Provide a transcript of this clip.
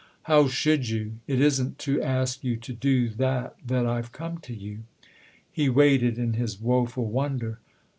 " How should you ? It isn't to ask you to do that that I've come to you." He waited in his woful wonder.